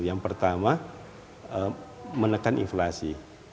yang pertama menekan inflasi